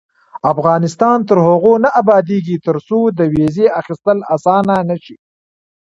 افغانستان تر هغو نه ابادیږي، ترڅو د ویزې اخیستل اسانه نشي.